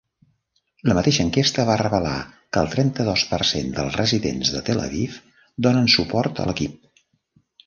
La mateixa enquesta va revelar que el trenta-dos per cent dels residents de Tel Aviv donen suport a l'equip.